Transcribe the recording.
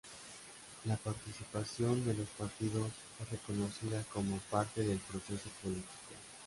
La participación de los partidos fue reconocida como parte del proceso político.